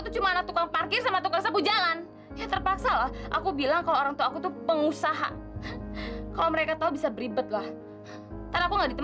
terus terus terus terus jauh jauh terus ya terus terus ya ya stop stop